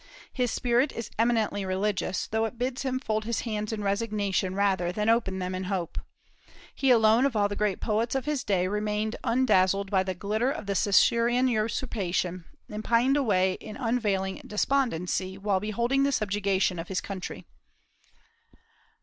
His spirit is eminently religious, though it bids him fold his hands in resignation rather than open them in hope. He alone of all the great poets of his day remained undazzled by the glitter of the Caesarian usurpation, and pined away in unavailing despondency while beholding the subjugation of his country."